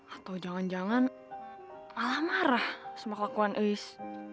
atau jangan jangan malah marah sebab kelakuan ais